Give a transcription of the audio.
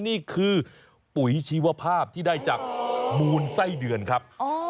นี่คือปุ๋ยชีวภาพที่ได้จากมูลไส้เดือนครับ